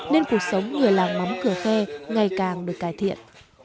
nên cuộc sống người làng mắm cửa khe ngày càng được cải thiện